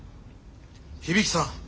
響さん！